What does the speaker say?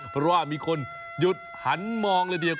เพราะว่ามีคนหันมองเลยเดียว